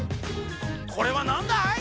これはなんだい？